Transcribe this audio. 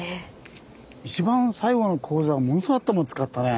一番最後の講座はものすごい頭を使ったね。